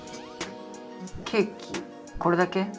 ケーキこれだけ？